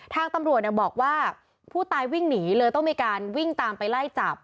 ทางตำรวจบอกว่าผู้ตายวิ่งหนีเลยต้องมีการวิ่งตามไปไล่จับ